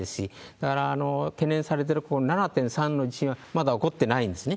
だから懸念されているこの７．３の地震はまだ起こってないんですね。